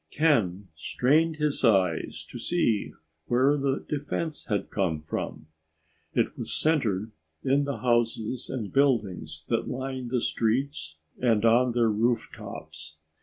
Ken strained his eyes to see where the defense had come from. It was centered in the houses and buildings that lined the streets, and on their rooftops.